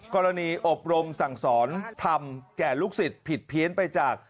อบรมสั่งสอนทำแก่ลูกศิษย์ผิดเพี้ยนไปจาก